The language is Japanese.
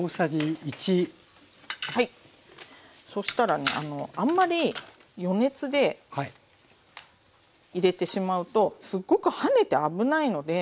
そしたらねあんまり余熱で入れてしまうとすごくはねて危ないので。